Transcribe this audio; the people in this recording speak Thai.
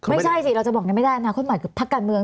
ไม่ใช่สิเราจะบอกนี้ไม่ได้อนาคตใหม่คือพักการเมือง